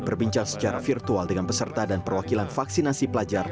berbincang secara virtual dengan peserta dan perwakilan vaksinasi pelajar